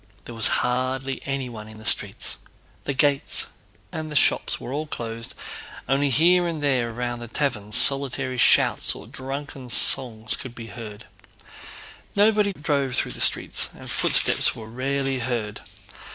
There was hardly anyone in the streets. The gates and shops were all closed, only here and there round the taverns solitary shouts or drunken songs could be heard. Nobody drove through the streets and footsteps were rarely heard.